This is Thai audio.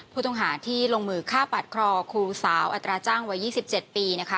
ผู้ต้องหาที่ลงมือฆ่าปัดครอครูสาวอัตราจ้างวัย๒๗ปีนะคะ